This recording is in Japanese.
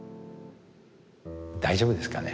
大丈夫ですかね。